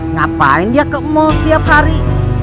ngapain dia ke mall setiap hari